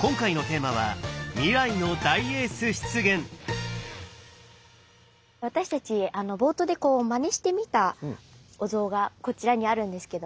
今回の私たち冒頭でまねしてみたお像がこちらにあるんですけども。